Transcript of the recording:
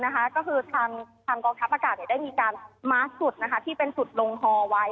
ก็คือทางกองทัพอากาศได้มีการมาร์คสุดที่เป็นจุดลงฮอไว้